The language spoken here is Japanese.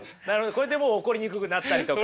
これでもう怒りにくくなったりとか。